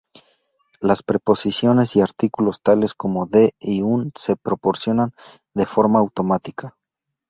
Las preposiciones y artículos, tales como "de" y "un", se proporcionan de forma automática.